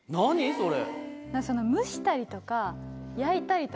それ。